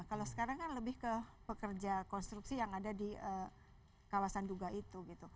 kalau sekarang kan lebih ke pekerja konstruksi yang ada di kawasan duga itu